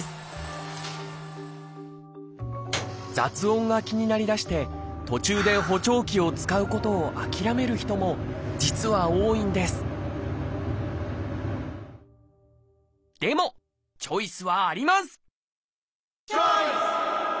雑音が気になりだして途中で補聴器を使うことを諦める人も実は多いんですでもチョイスはあります！